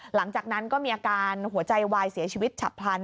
หลังจากนั้นก็มีอาการหัวใจวายเสียชีวิตฉับพลัน